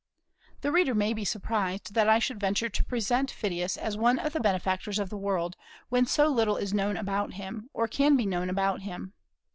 The reader may be surprised that I should venture to present Phidias as one of the benefactors of the world, when so little is known about him, or can be known about him.